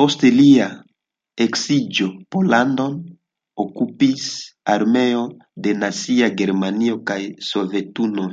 Post lia eksiĝo Pollandon okupis armeoj de Nazia Germanio kaj Sovetunio.